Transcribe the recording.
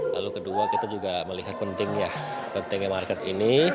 lalu kedua kita juga melihat pentingnya pentingnya market ini